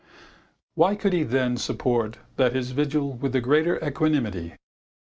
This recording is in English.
Why could he then support that his vigil with the greater equanimity?